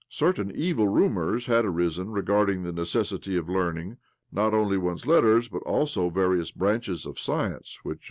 Certain evil rumours had arisen regarding the neces sity of learning not only one's letters, but also various branches of science which until ' Week of the Dead.